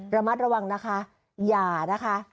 ระมัดระวังนะคะอย่านะคะ